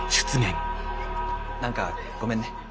何かごめんね。